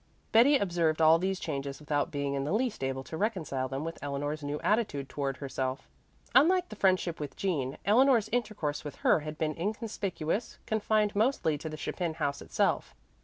Betty observed all these changes without being in the least able to reconcile them with Eleanor's new attitude toward herself. Unlike the friendship with Jean, Eleanor's intercourse with her had been inconspicuous, confined mostly to the Chapin house itself.